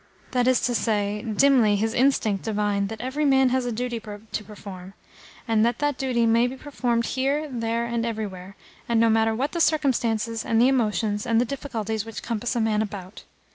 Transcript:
That is to say, dimly his instinct divined that every man has a duty to perform, and that that duty may be performed here, there, and everywhere, and no matter what the circumstances and the emotions and the difficulties which compass a man about.